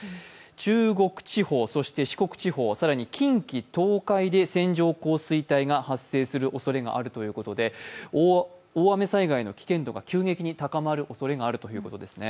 中国地方、四国地方、近畿で線状降水帯が発生するおそれがあるということで大雨災害の危険度が急激に高まるおそれがあるということですね。